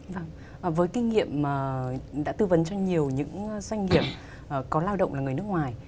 vâng với kinh nghiệm đã tư vấn cho nhiều những doanh nghiệp có lao động là người nước ngoài